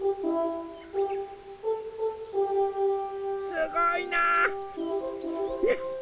すごいな！よしっ！